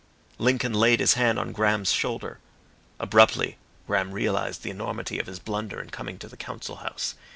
Lincoln laid his hand on Graham's shoulder. Abruptly Graham realised the enormity of his blunder in coming to the Council House.